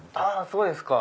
そうですか。